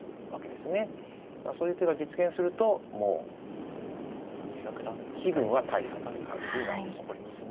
そういう手が実現するともう気分は大差という形になってしまいますね。